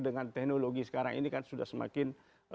dengan teknologi sekarang ini kan sudah semakin